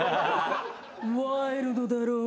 ワイルドだろぉ？